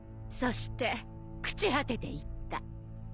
そして朽ち果てていった。